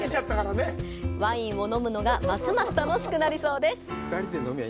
ワインを飲むのがますます楽しくなりそうです。